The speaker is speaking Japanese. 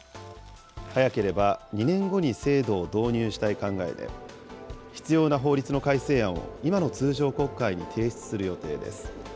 早ければ２年後に制度を導入したい考えで、必要な法律の改正案を今の通常国会に提出する予定です。